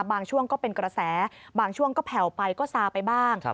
ช่วงก็เป็นกระแสบางช่วงก็แผ่วไปก็ซาไปบ้าง